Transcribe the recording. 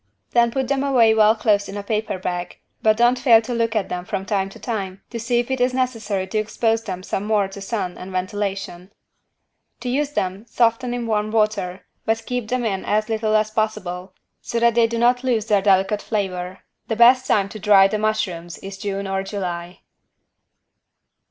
Then put them away well closed in a paper bag, but don't fail to look at them from time to time to see if it is necessary to expose them some more to sun and ventilation. To use them soften in warm water, but keep them in as little as possible, so that they do not lose their delicate flavor. The best time to dry the mushrooms is June or July.